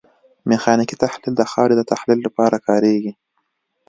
میخانیکي تحلیل د خاورې د تحلیل لپاره کاریږي